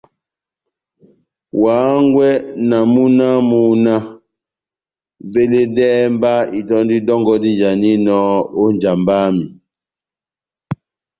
Wa hángwɛ na múna wamu náh :« veledɛhɛ mba itɔ́ndi dɔngɔ dijaninɔ ó njamba yami »